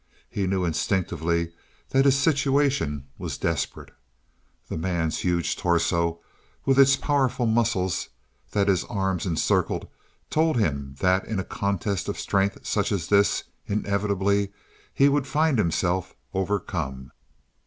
He knew instinctively that his situation was desperate. The man's huge torso, with its powerful muscles that his arms encircled, told him that in a contest of strength such as this, inevitably he would find himself overcome.